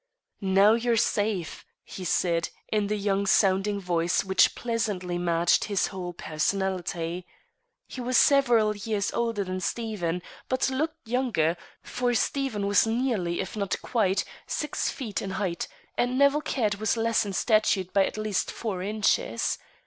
"Now you're safe," he said, in the young sounding voice which pleasantly matched his whole personality. He was several years older than Stephen, but looked younger, for Stephen was nearly if not quite six feet in height, and Nevill Caird was less in stature by at least four inches.